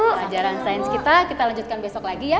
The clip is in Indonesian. pelajaran sains kita kita lanjutkan besok lagi ya